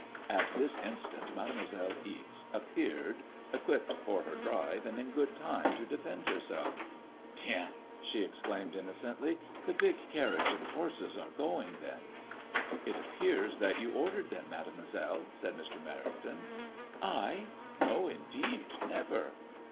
At this instant Mademoiselle Ixe appeared equipped for her drive, and in good time to defend herself. " Tiens," she exclaimed inno cently, "the big carriage and horses are going then.'* 119 MADBMOISBLLS IXS. It appears that you ordered them. Mademoiselle/' said Mr. Merrington. " I ? No, indeed. Never.